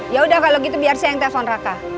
yaudah kalo gitu biar saya yang telepon raka